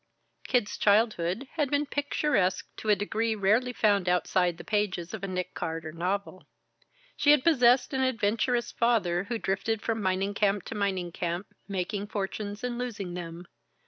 Kid's childhood had been picturesque to a degree rarely found outside the pages of a Nick Carter novel. She had possessed an adventurous father, who drifted from mining camp to mining camp, making fortunes and losing them.